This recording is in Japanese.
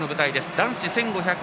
男子１５００